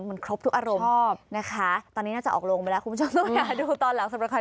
มันครบทุกอารมณ์ชอบนะคะตอนนี้น่าจะออกลงไปแล้วคุณผู้ชมต้องหาดูตอนหลังสำหรับใคร